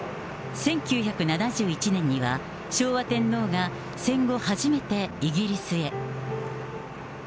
１９７１年には、昭和天皇が戦後初めてイギリスへ。